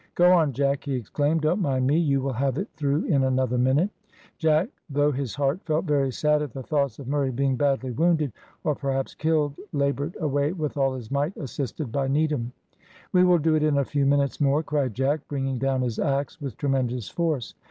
"Go on, Jack," he exclaimed. "Don't mind me; you will have it through in another minute." Jack, though his heart felt very sad at the thoughts of Murray being badly wounded, or perhaps killed, laboured away with all his might, assisted by Needham. "We will do it in a few minutes more," cried Jack, bringing down his axe with tremendous force.